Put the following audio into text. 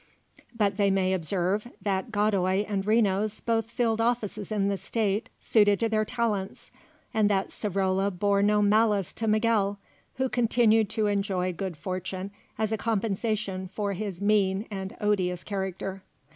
But they may observe that Godoy and Renos both filled offices in the State suited to their talents, and that Savrola bore no malice to Miguel, who continued to enjoy good fortune as a compensation for his mean and odious character.